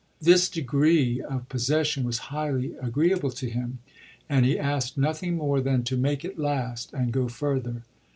This degree of possession was highly agreeable to him and he asked nothing more than to make it last and go further.